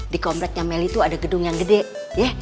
di kompleknya meli tuh ada gedung yang gede